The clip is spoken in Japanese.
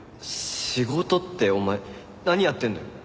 仕事ってお前何やってんの？